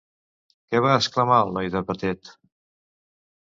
Què va exclamar el noi de Batet?